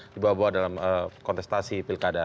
dibawa bawa dalam kontestasi pilkada